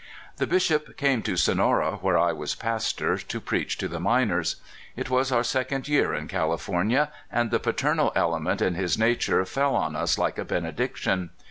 The Bishop came to Sonora, where I was pastor, to preach to the miners. It was our second year in California, and the paternal element in his nature fell on us like a benediction.